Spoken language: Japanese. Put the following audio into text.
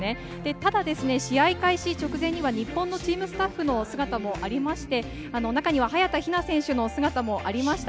ただ試合開始直前には日本のチームスタッフの姿があり、中には早田ひな選手の姿もありました。